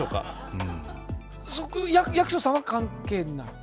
役所さんは関係ない？